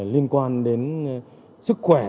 liên quan đến sức khỏe